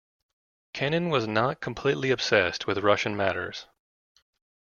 Kennan was not completely obsessed with Russian matters.